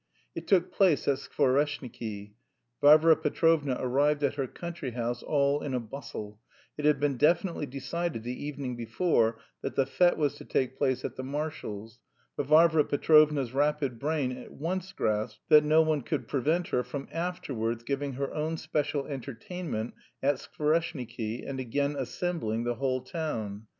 It took place at Skvoreshniki; Varvara Petrovna arrived at her country house all in a bustle; it had been definitely decided the evening before that the fête was to take place at the marshal's, but Varvara Petrovna's rapid brain at once grasped that no one could prevent her from afterwards giving her own special entertainment at Skvoreshniki, and again assembling the whole town.